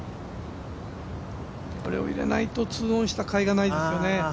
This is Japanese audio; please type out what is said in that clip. これを入れないと、２オンしたかいがないですよね。